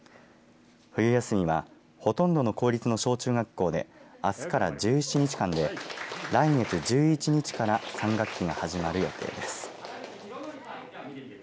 冬休みはほとんどの公立の小中学校であすから１７日間で来月１１日から３学期が始まる予定です。